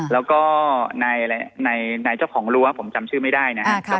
แล้วก็ในอะไรในนายเจ้าของรัวผมจำชื่อไม่ได้นะฮะอ่า